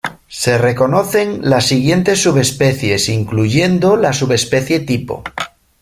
Se reconocen las siguientes subespecies, incluyendo la subespecie tipo.